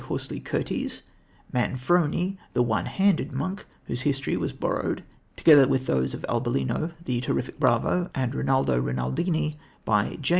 Horsley Curties; Manfroni, the One handed Monk, whose history was borrowed, together with those of Abellino, the terrific bravo, and Rinaldo Rinaldini, by "J.